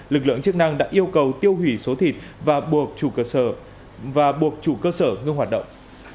lực lượng chức năng đã yêu cầu tiêu hủy số thịt và buộc chủ cơ sở ngưng hoạt động